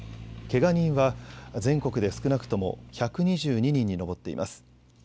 けが人は全国で少なくとも１２２人に上っています。